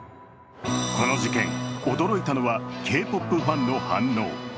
この事件、驚いたのはＫ−ＰＯＰファンの反応。